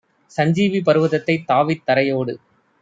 சஞ்சீவி பர்வதத்தைத் தாவித் தரையோடு